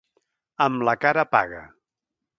Amb la cara paga.